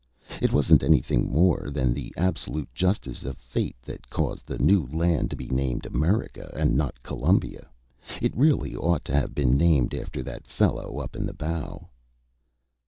It wasn't anything more than the absolute justice of fate that caused the new land to be named America and not Columbia. It really ought to have been named after that fellow up in the bow."